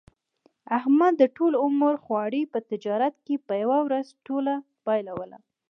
احمد د ټول عمر خواري په تجارت کې په یوه ورځ ټوله بایلوله.